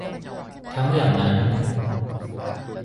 ทั้งอย่างนั้น